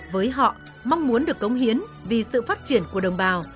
với họ mong muốn được cống hiến vì sự phát triển của đồng bào